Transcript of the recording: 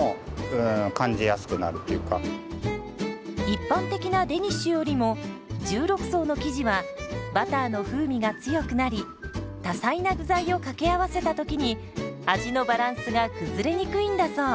一般的なデニッシュよりも１６層の生地はバターの風味が強くなり多彩な具材を掛け合わせた時に味のバランスが崩れにくいんだそう。